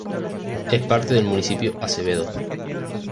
Es parte del Municipio Acevedo.